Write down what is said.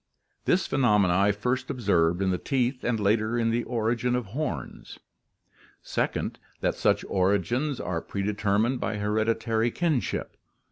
This phenomenon I first observed in the teeth and later in the origin of horns. "Second: That such origins are predetermined by hereditary kinship.